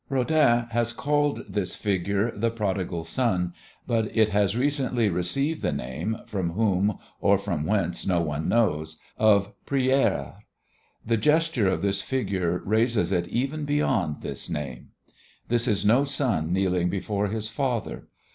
Rodin has called this figure "The Prodigal Son," but it has recently received the name from whom or from whence no one knows of "Prière". The gesture of this figure raises it even beyond this name. This is no son kneeling before his father.